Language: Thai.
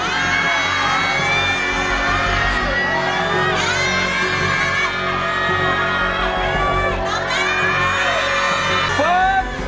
ได้กัน